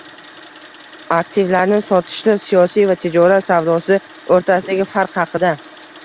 Aktivlarni sotishda siyosiy va tijorat savdosi o'rtasidagi farq haqida